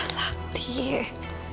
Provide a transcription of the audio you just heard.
sakti lo kenapa sih